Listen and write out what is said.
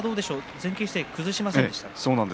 前傾姿勢、崩しませんでした。